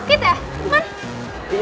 kok beneran sakit ya